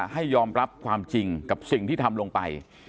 ให้ยอมรับความจริงกับสิ่งที่ทำลงไป